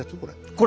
これ。